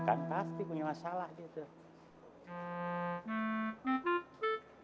kan pasti punya masalah gitu